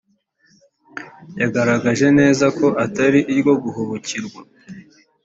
yagaragaje neza ko atari iryo guhubukirwa